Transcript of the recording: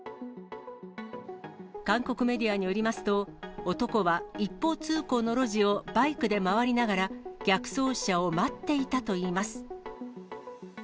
韓国メディアによりますと、男は一方通行の路地をバイクで回りながら、逆走車を待っていたといいます。